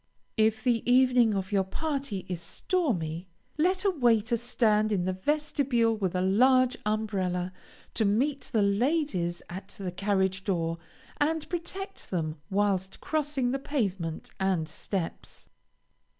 If the evening of your party is stormy, let a waiter stand in the vestibule with a large umbrella, to meet the ladies at the carriage door, and protect them whilst crossing the pavement and steps.